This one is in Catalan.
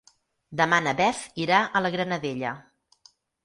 Demà na Beth irà a la Granadella.